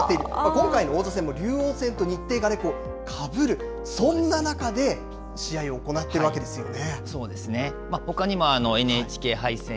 今回の王座戦も竜王戦と日程がかぶるそんな中で試合を行っているわけですよね。